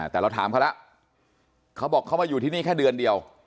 แต่เราถามเขาแล้วเขาบอกเขามาอยู่ที่นี่แค่เดือนเดียว